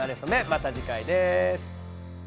また次回です。